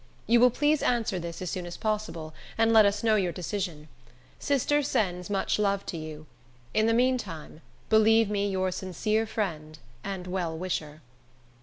You will please answer this as soon as possible, and let us know your decision. Sister sends much love to you. In the mean time believe me your sincere friend and well wisher.